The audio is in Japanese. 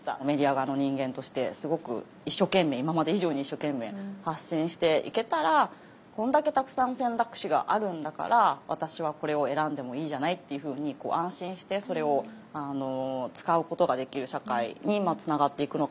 メディア側の人間としてすごく一生懸命今まで以上に一生懸命発信していけたらこれだけたくさん選択肢があるんだから私はこれを選んでもいいじゃないっていうふうに安心してそれを使うことができる社会につながっていくのかなと。